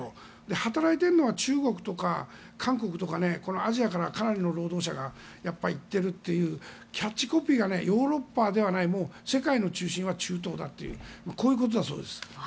働いているのは中国とか韓国とかアジアからかなりの労働者がやっぱり行っているというキャッチコピーがもうヨーロッパではないもう世界の中心は中東だというこういうことだそうです。